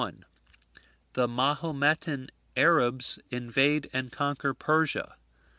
The Mahometan Arabs invade and conquer Persia.